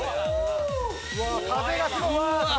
風がすごい！